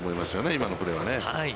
今のプレーはね。